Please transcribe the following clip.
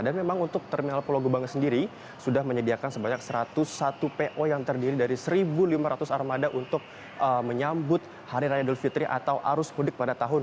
dan memang untuk terminal pulau gebang sendiri sudah menyediakan sebanyak satu ratus satu po yang terdiri dari satu lima ratus armada untuk menyambut hari raya dulu fitri atau arus pudik pada tahun dua ribu dua puluh tiga